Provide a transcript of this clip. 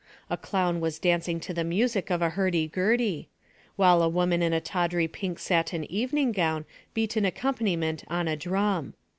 A clown was dancing to the music of a hurdy gurdy, while a woman in a tawdry pink satin evening gown beat an accompaniment on a drum.